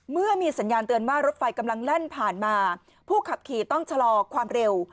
เมื่อมีสัญญาณเตือนว่ารถไฟกำลังแล่นผ่านมาผู้ขับขี่ต้องชะลอความเร็ว